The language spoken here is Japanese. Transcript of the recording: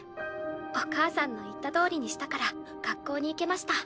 お母さんの言ったとおりにしたから学校に行けました。